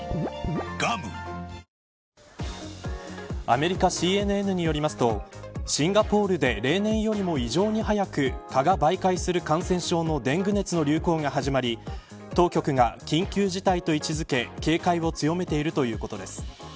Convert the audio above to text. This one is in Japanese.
アメリカ、ＣＮＮによりますとシンガポールで例年よりも異常に早く蚊が媒介する感染症のデング熱の流行が始まり当局が、緊急事態と位置付け警戒を強めているということです。